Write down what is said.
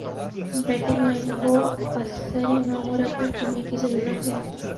batting line کو ازسر نو مرتب کرنے کی ضرورت ہے